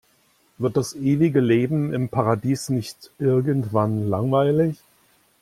Wird das ewige Leben im Paradies nicht irgendwann langweilig?